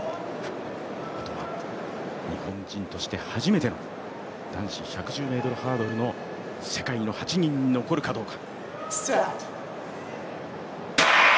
あとは日本人として初めて男子１１０ｍハードルの世界の８人に残るかどうか。